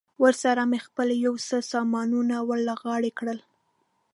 ورسره مې خپل یو څه سامانونه ور له غاړې کړل.